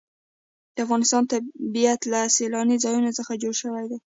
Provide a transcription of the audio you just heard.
د افغانستان طبیعت له سیلاني ځایونو څخه جوړ شوی دی.